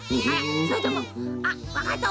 それともわかった。